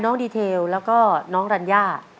น้องบทดีเทลและพี่รัญญา